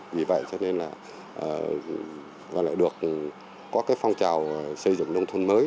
vì vậy cho nên là và lại được có cái phong trào xây dựng nông thôn mới